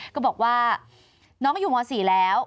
ก็บอกว่าน้องอยู่ม๔แล้ว